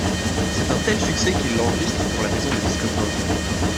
C'est un tel succès qu'il l'enregistre pour la maison de disques Vogue.